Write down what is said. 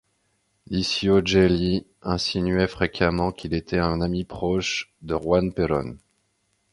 Licio Gelli insinuait fréquemment qu’il était un ami proche de Juan Perón.